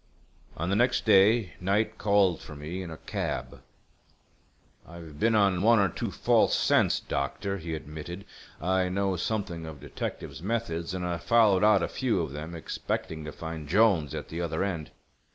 On the next day Knight called for me in a cab. "I've been on one or two false scents, doctor," he admitted. "I know something of detectives' methods, and I followed out a few of them, expecting to find Jolnes at the other end.